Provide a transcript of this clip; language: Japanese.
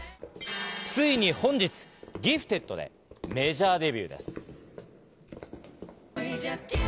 ついに本日『Ｇｉｆｔｅｄ．』でメジャーデビューです。